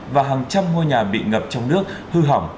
và hàng trăm ngôi nhà bị ngập trong nước hư hỏng